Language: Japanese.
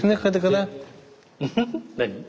何？